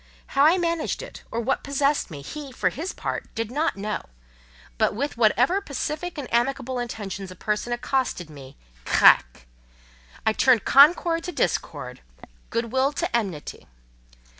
How I managed it, or what possessed me, he, for his part, did not know; but with whatever pacific and amicable intentions a person accosted me—crac! I turned concord to discord, good will to enmity.